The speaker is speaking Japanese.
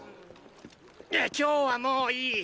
今日はもういい。